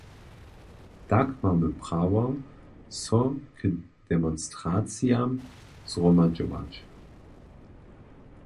Tak mamy prawo, so k demonstracijam zhromadźować.